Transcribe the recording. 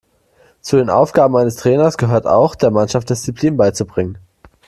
Zu den Aufgaben eines Trainers gehört auch, der Mannschaft Disziplin beizubringen.